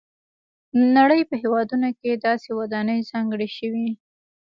د نړۍ په هېوادونو کې داسې ودانۍ ځانګړې شوي.